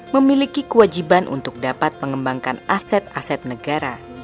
memiliki kewajiban untuk dapat melakukan penyelesaian aset